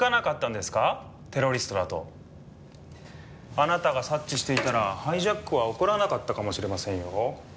あなたが察知していたらハイジャックは起こらなかったかもしれませんよ。